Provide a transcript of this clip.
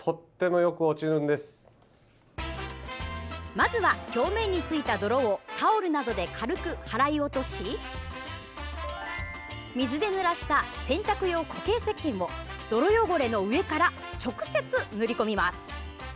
まずは、表面についた泥をタオルなどで軽く払い落とし水でぬらした洗濯用固形せっけんを泥汚れの上から直接塗り込みます。